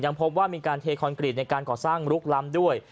พบว่ามีการเทคอนกรีตในการก่อสร้างลุกล้ำด้วย